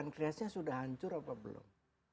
kreasinya sudah hancur apa belum